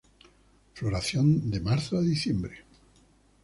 Floración de marzo a diciembre.